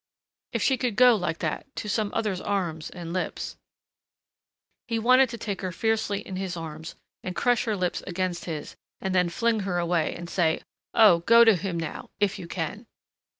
If she could go like that, to some other's arms and lips ... He wanted to take her fiercely in his arms and crush her lips against his and then fling her away and say, "Oh, go to him now if you can!"